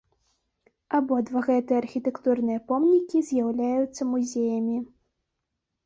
Абодва гэтыя архітэктурныя помнікі з'яўляюцца музеямі.